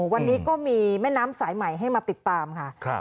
วันนี้ก็มีแม่น้ำสายใหม่ให้มาติดตามค่ะ